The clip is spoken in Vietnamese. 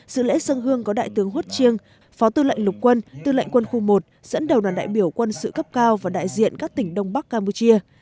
sự lễ dân hương có đại tướng hút chiêng phó tư lệnh lục quân tư lệnh quân khu một dẫn đầu đoàn đại biểu quân sự cấp cao và đại diện các tỉnh đông bắc campuchia